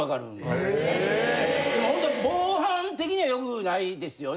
でもほんと防犯的にはよくないですよね。